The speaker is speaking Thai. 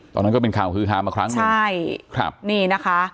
ตอนนั้นก็เป็นข่าวคือหามาครั้งหนึ่งใช่นี่นะคะ